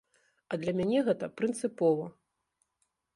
А для мяне гэта прынцыпова.